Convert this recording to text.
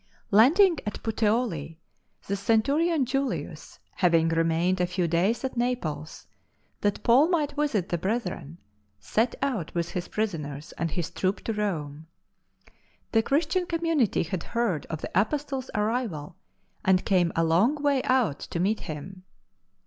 Landing at Puteoii, the centurion Julius, having remained a fewydays at Naples, that "AN AMBASSADOR IN BONDS" 115 Paul might visit the brethren, set out with his prisoners and his troop to Rome. The Christian community had heard of the Apostle's arrival, and came a long way out to meet him.